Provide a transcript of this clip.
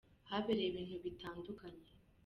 Habereye ibintu bitandukanye.